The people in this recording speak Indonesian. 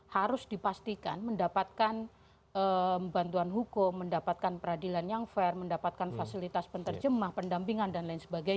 harus dipastikan mendapatkan bantuan hukum mendapatkan peradilan yang fair mendapatkan fasilitas penterjemah pendampingan dll